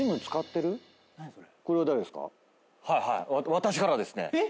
私からですね。